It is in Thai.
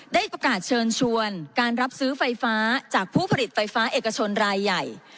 ได้ประกาศเชิญชวนการรับซื้อไฟฟ้าจากผู้ผลิตไฟฟ้าเอกชนรายใหญ่